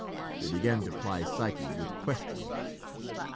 They began to ply Psyche with questions.